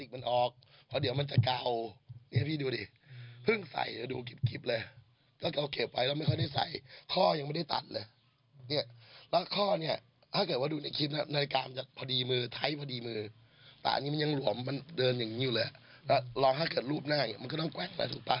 ไม่ใช่มือผมแน่นอน